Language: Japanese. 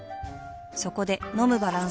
そこで飲むバランス栄養食